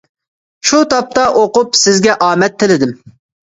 شۇ تاپتا ئوقۇپ سىزگە ئامەت تىلىدىم.